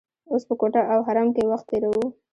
اوس په کوټه او حرم کې وخت تیروو.